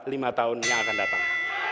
lima tahun yang akan datang